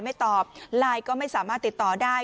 ไม่ตอบไลน์ก็ไม่สามารถติดต่อได้